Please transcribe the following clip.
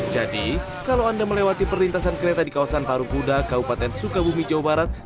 jadi kalau anda melewati perlintasan kereta di kawasan parung kuda kabupaten sukabumi jawa barat